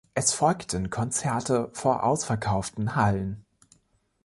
Es folgten Konzerte vor ausverkauften Hallen.